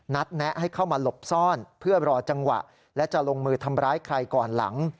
แนะให้เข้ามาหลบซ่อนเพื่อรอจังหวะและจะลงมือทำร้ายใครก่อนหลัง